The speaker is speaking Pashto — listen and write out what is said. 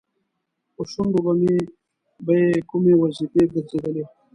په شونډو به یې کومې وظیفې ګرځېدلې؟